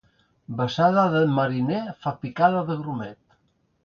Besada de mariner fa picada de grumet.